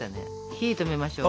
火止めましょう。